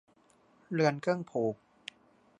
เรือนเครื่องผูก